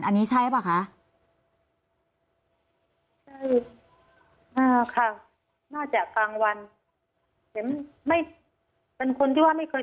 อันนี้ใช่ป่ะคะค่ะน่าจะกลางวันจะไม่เป็นคนที่ว่าไม่เคย